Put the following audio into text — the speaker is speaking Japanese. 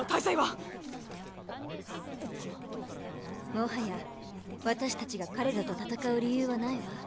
もはや私たちが彼らと戦う理由はないわ。